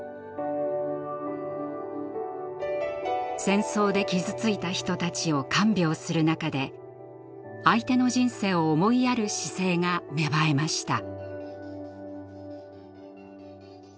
戦争で傷ついた人たちを看病する中で相手の人生を思いやる姿勢が芽生えました。